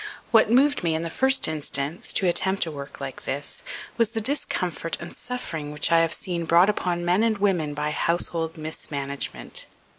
What moved me, in the first instance, to attempt a work like this, was the discomfort and suffering which I had seen brought upon men and women by household mismanagement.